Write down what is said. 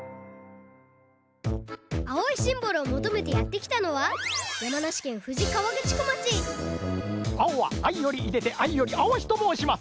青いシンボルをもとめてやってきたのは山梨県富士河口湖町「青はあいよりいでてあいより青し」ともうします！